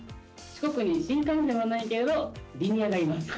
四国に新幹線はないけれどリニアがいます。